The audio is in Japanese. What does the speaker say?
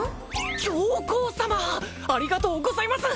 教皇様ありがとうございます！